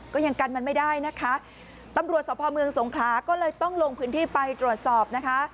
ก็ยังกันมันไม่ได้นะคะตำรวจสภเมืองสงขลาก็เลยต้องลงพื้นที่ไปตรวจสอบนะคะ